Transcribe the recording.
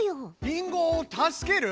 リンゴを助ける？